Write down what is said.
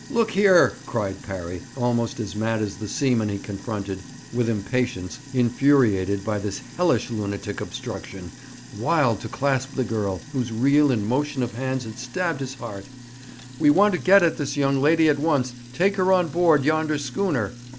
'Look here,' cried Parry, almost as mad as the seaman he confronted, with impatience, infuriated by this hellish lunatic obstruction, wild to clasp the girl, whose reel and motion of hands had stabbed his heart; 'we want to get at this young lady at once, to take her on board yonder schooner.